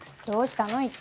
どうしたの？